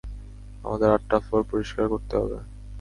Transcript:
আমাদের আটটা ফ্লোর পরিষ্কার করতে হবে!